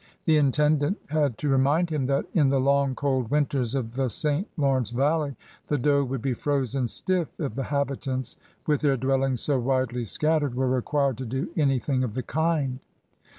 The Intendant had to remind him that, in the long cold winters of the St. Lawrence valley, the dough would be frozen stiff if the habitants, with their dwellings so widely scattered, were required to do anything of the kind.